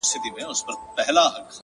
ستا د خنداوو ټنگ ټکور” په سړي خوله لگوي”